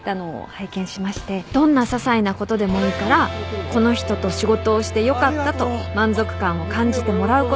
どんなささいなことでもいいからこの人と仕事をしてよかったと満足感を感じてもらうこと。